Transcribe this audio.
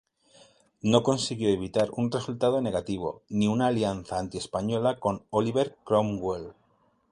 No consiguió evitar un resultado negativo, ni una alianza antiespañola con Oliver Cromwell.